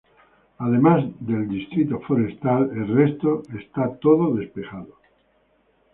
Además de el distrito forestal el resto es todo despejado.